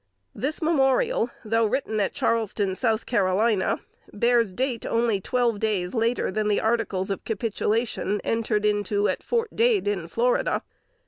This memorial, though written at Charleston, South Carolina, bears date only twelve days later than the articles of capitulation, entered into at "Fort Dade in Florida."